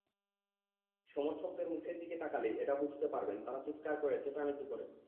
সমর্থকদের মুখের দিকে তাকালেই এটা বুঝতে পারবেন, তারা চিৎকার করে, চেঁচামেচি করে।